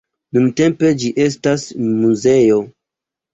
Nuntempe ĝi estas muzeo.